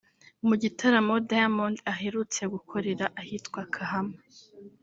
Mu gitaramo Diamond aherutse gukorera ahitwa Kahama